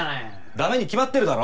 駄目に決まってるだろ！